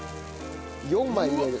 ４枚入れる。